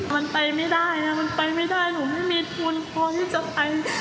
มันไปไม่ได้มันไปไม่ได้หนูไม่มีทุนพอที่จะไป